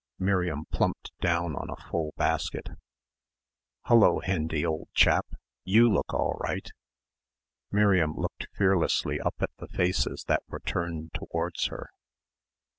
Miriam plumped down on a full basket. "Hullo, Hendy, old chap, you look all right!" Miriam looked fearlessly up at the faces that were turned towards her.